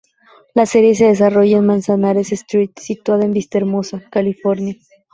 La serie se desarrolla en Manzanares Street, situada en Vista Hermosa, California.